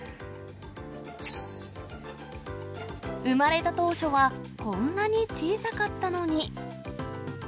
生まれた当初はこんなに小さかったのに。